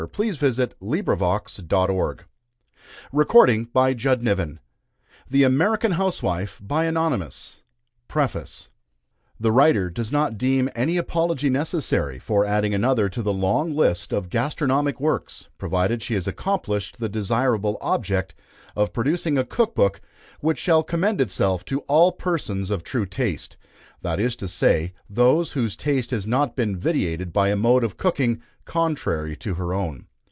Breast, Brisket End. PORK. 1. The Spare Rib. 2. Hand. 3. Spring. 4. Fore Loin. 5. Hind Loin. 6. Leg.] PREFACE. The writer does not deem any apology necessary for adding another to the long list of gastronomic works, provided she has accomplished the desirable object of producing a Cook Book which shall commend itself to all persons of true taste that is to say, those whose taste has not been vitiated by a mode of cooking contrary to her own.